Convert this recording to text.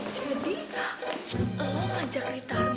jadi lo ngajak rita armier